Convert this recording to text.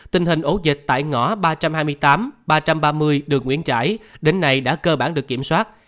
tình hình ổ dịch tại ngõ ba trăm hai mươi tám ba trăm ba mươi đường nguyễn trãi đến nay đã cơ bản được kiểm soát